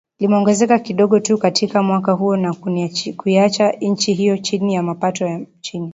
limeongezeka kidogo tu katika mwaka huo na kuiacha nchi hiyo chini ya mapato ya chini